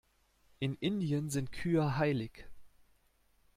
In Indien sind Kühe heilig.